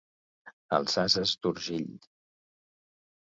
Els ases d'Urgell.